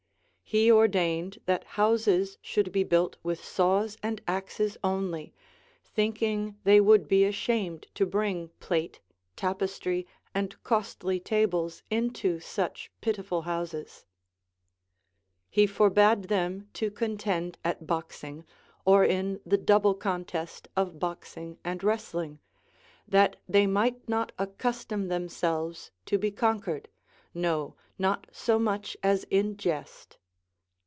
He ordained that houses should be built with saws and axes only, thinking they would be ashamed to bring plate, tapestry, and costly tables into such pitiful houses. He forbade them to contend at boxing or in the double contest of boxing and wrestling, that they might not accustom themselves to be conquered, no, not so much as in jest.